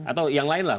atau yang lain lah